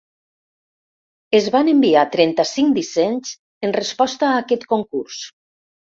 Es van enviar trenta-cinc dissenys en resposta a aquest concurs.